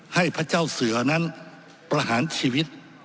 ให้พระเจ้าเสือนั้นประหารชีวิต